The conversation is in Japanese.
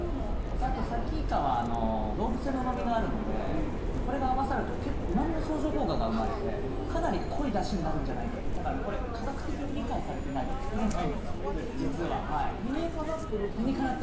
あとさきいかは動物性のうまみがあるのでこれが合わさると結構うまみの相乗効果が生まれてかなり濃いダシになるんじゃないかだからこれ科学的に理解されてないと作れない実は理にかなってるっていう？